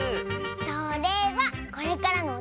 それはこれからのおたのしみ！